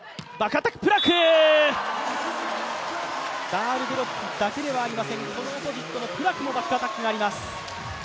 ダールデロップだけではありません、このオポジットのプラクもバックアタックがあります。